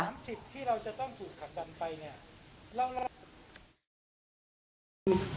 สิทธิ์ที่เราจะต้องถูกผลัดดันไปเนี่ย